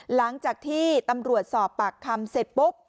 หลังจากที่ตำรวจสอบปากคำเสร็จปุ๊บ